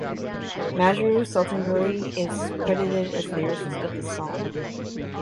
Majrooh Sultanpuri is credited as the lyricist of this song.